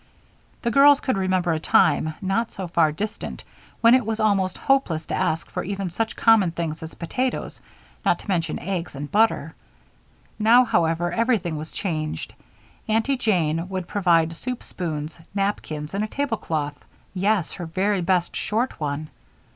The girls could remember a time, not so very far distant, when it was almost hopeless to ask for even such common things as potatoes, not to mention eggs and butter. Now, however, everything was changed. Aunty Jane would provide soup spoons, napkins, and a tablecloth yes, her very best short one.